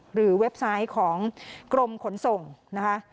เว็บไซต์ของกรมขนส่งนะคะ